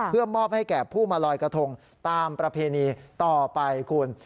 เพื่อมอบให้แก่ผู้มาลอยกระทงตามประเพณีต่อไปคุณ